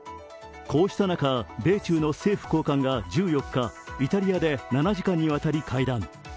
こうした中、米中の政府高官が１４日、イタリアで７時間にわたり、会談。